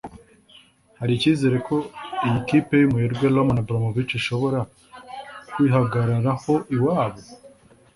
Hari icyizere ko iyi kipe y’umuherwe Roman Abramovich ishobora kwihagararaho iwayo